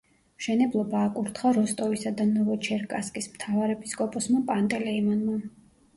მშენებლობა აკურთხა როსტოვისა და ნოვოჩერკასკის მთავარეპისკოპოსმა პანტელეიმონმა.